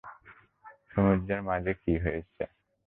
সমুদ্রের মাঝে কী হয়েছে?